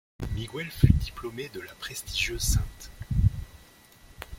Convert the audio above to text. Miguel fut diplômé de la prestigieuse St.